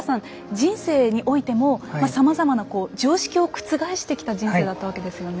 人生においてもさまざまな常識を覆してきた人生だったわけですよね。